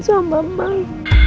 aku juga kangen sama mai